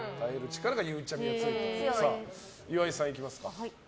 岩井さん、いきますか。